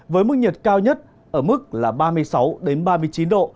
với mức nhiệt cao nhất ở mức là ba mươi sáu ba mươi chín độ